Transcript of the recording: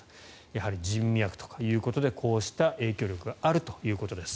やはり人脈とかということでこうした影響力があるということです。